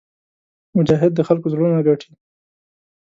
مجاهد د خلکو زړونه ګټي.